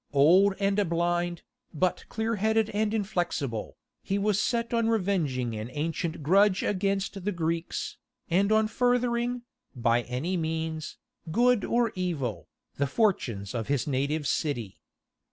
Old and blind, but clear headed and inflexible, he was set on revenging an ancient grudge against the Greeks, and on furthering, by any means, good or evil, the fortunes of his native city.